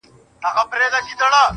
• ستا هم د پزي په افسر كي جـادو.